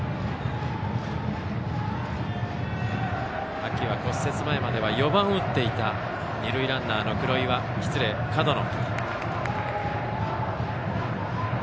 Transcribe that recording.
秋は骨折前までは４番を打っていた二塁ランナーの門野。